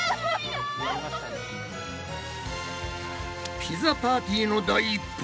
ピザパーティーの第一歩！